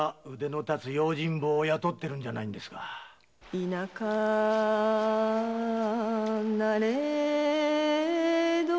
「田舎なれども」